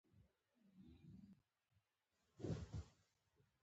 بالاخره له همدې ځنګل ووتلو.